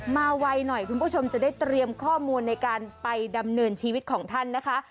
ไวหน่อยคุณผู้ชมจะได้เตรียมข้อมูลในการไปดำเนินชีวิตของท่านนะคะ